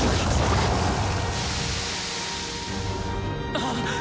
あっ！